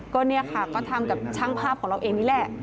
ก็เนี่ยค่ะก็ทำกับช่างภาพของเราเองนี่แหละ